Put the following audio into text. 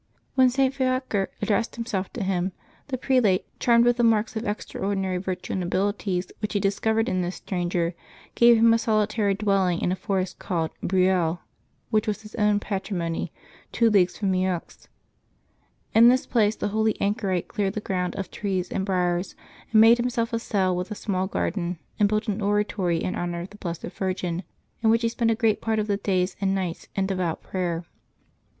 When St. Fiaker addressed himself to him, the prelate, charmed with the marks of extraordinary virtue and abilities which he discovered in this stranger, gave him a solitary dwelling in a forest called Breuil which was his own patrimony, two leagues from Meaux. In this place the holy anchorite cleared the ground of trees and briers, made himself a cell, with a small garden, and built an oratory in honor of the Blessed Virgin, in which he spent a great part of the days and nights in devout prayer.